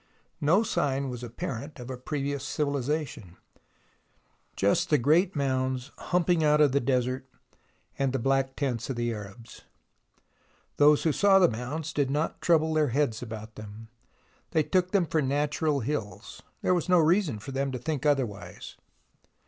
No sign was apparent of a previous civilization ; just the great mounds humping out of the desert and the black tents of the Arabs. Those who saw the mounds did not trouble their heads about them. They took them for natural hills. There was no reason for them to think otherwise.